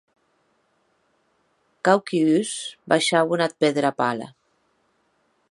Quauqui uns baishauen ath pè dera pala.